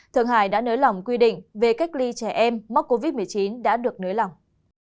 thượng hải đã nới lỏng quy định về cách ly trẻ em mắc covid một mươi chín đã được nới lỏng